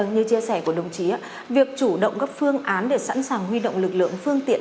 như chia sẻ của đồng chí việc chủ động gấp phương án để sẵn sàng huy động lực lượng phương tiện